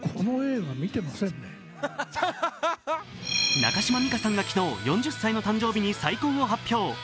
中島美嘉さんが昨日４０歳の誕生日に再婚を発表。